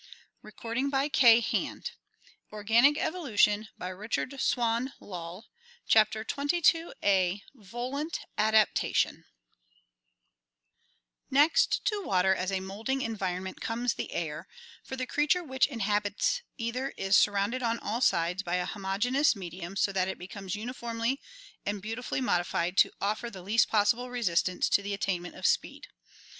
Gadow, H., Amphibia and Reptiles, Cambridge Natural History, Vol VIII, 1909. CHAPTER XXII Volant Adaptation Next to water as a moulding environment comes the air, for the creature which inhabits either is surrounded on all sides by a homo geneous medium so that it becomes uniformly and beautifully modified to offer the least possible resistance to the attainment of speed.